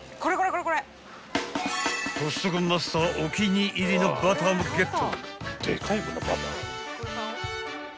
［コストコマスターお気に入りのバターもゲット］